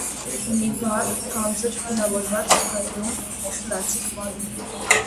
Ունի վառ, թանձր գունավորված, փայլուն, սլացիկ մարմին։